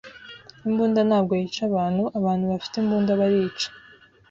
Imbunda ntabwo yica abantu, abantu bafite imbunda barica.